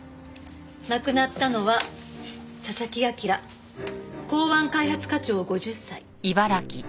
亡くなったのは佐々木朗港湾開発課長５０歳。